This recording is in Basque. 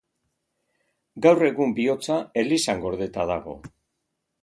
Gaur egun bihotza elizan gordeta dago.